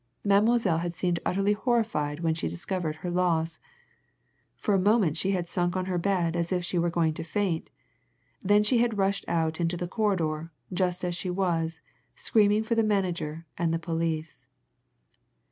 Mademoiselle had seemed utterly horrified when she discovered her loss. For a moment she had sunk on her bed as if she were going to faint; then she had rushed out into the corridor, just as she was, screaming for the manager and the police.